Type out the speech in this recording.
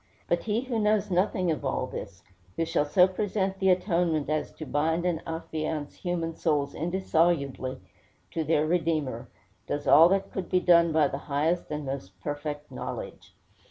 But he who knows nothing of all this, who shall so present the atonement as to bind and affiance human souls indissolubly to their Redeemer, does all that could be done by the highest and most perfect knowledge.